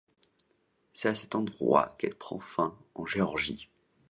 C'est à cet endroit qu'elle prend fin en Géorgie.